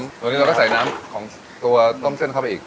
ตอนนี้เราก็ใส่น้ำตัวต้มเส้นเข้าไปอีก